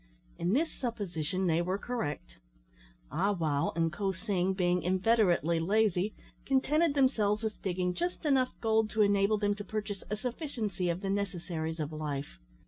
In this supposition they were correct. Ah wow and Ko sing being inveterately lazy, contented themselves with digging just enough gold to enable them to purchase a sufficiency of the necessaries of life.